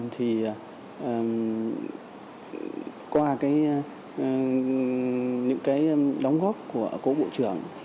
thì qua những đóng góp của cổ bộ trưởng